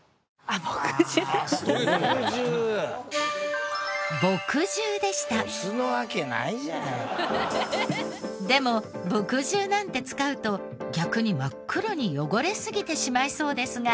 「アハハハ」でも墨汁なんて使うと逆に真っ黒に汚れすぎてしまいそうですが。